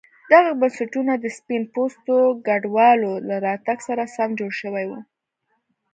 دغه بنسټونه د سپین پوستو کډوالو له راتګ سره سم جوړ شوي وو.